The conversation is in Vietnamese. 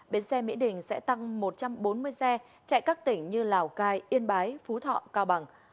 bến xe mỹ đình sẽ tăng một trăm bốn mươi xe chạy các tỉnh như lào cai yên bái phú thọ cao bằng